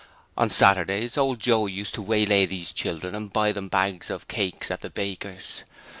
On Saturdays Old Joe used to waylay these children and buy them bags of cakes at the bakers.